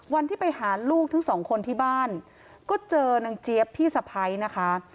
วันที่ไปหาลูกทั้งสองคนที่บ้านก็เจอนางเจี๊ยบพี่สะพ้ายนะคะ